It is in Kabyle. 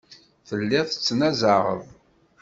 Telliḍ tettnazaɛeḍ.